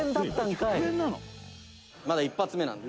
「まだ１発目なんで。